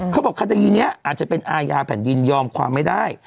เขาบอกคดีนี้อาจจะเป็นอาญาแผ่นดินยอมความไม่ได้